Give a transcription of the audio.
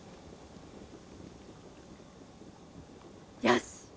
よし！